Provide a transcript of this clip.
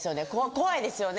怖いですよね。